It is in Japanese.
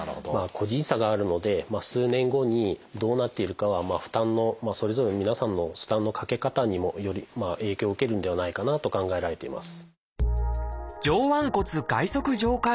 個人差があるので数年後にどうなっているかは負担のそれぞれの皆さんの負担のかけ方にも影響を受けるんではないかなと考えられています。